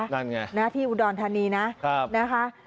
นั่นไงที่อุดรธานีนะนะคะ